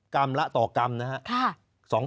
กรรมละต่อกรัมนะครับ